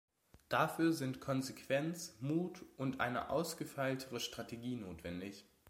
Dafür sind Konsequenz, Mut und eine ausgefeiltere Strategie notwendig.